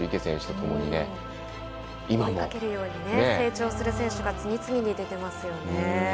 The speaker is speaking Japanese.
追いかけるように成長する選手が次々に出ていますよね。